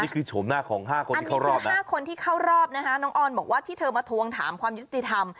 เข้ารอบนะฮะน้องออนบอกว่าที่เธอมาทวงถามความยุติธรรม